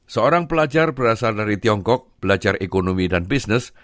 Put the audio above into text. seorang pelajar berasal dari tiongkok belajar ekonomi dan bisnis